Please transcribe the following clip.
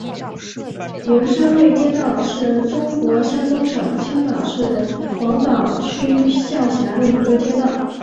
灵山卫街道是中国山东省青岛市黄岛区下辖的一个街道。